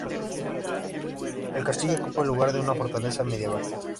El castillo ocupa el lugar de una fortaleza medieval.